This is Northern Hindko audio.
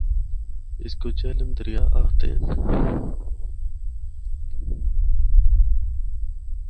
اس کو جہلم دریا آکھدے ہن۔